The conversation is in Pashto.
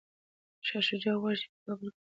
شاه شجاع غواړي چي په کابل کي پر تخت کښیني.